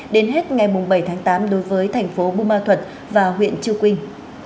đến hết ngày bảy tháng tám đối với thành phố bù ma thuật và huyện chư quynh